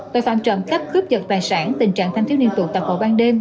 tội phạm trộm khắp cướp giật tài sản tình trạng thanh thiếu niên tụ tạp bộ ban đêm